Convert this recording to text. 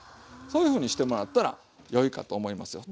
そういうふうにしてもらったら良いかと思いますよ。